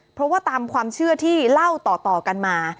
เพราะว่าตามความเชื่อที่เล่าต่อกันมา